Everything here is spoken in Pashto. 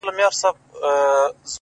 • په هوا تللې جوپې د شاهینانو ,